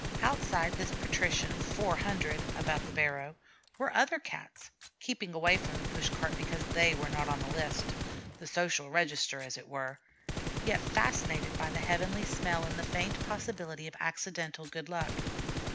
Outside this patrician 'four hundred' about the barrow, were other Cats, keeping away from the push cart because they were not on the list, the Social Register as it were, yet fascinated by the heavenly smell and the faint possibility of accidental good luck.